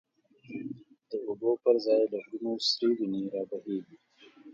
د اوبو پر ځای له غرونو، سری وینی را بهیږی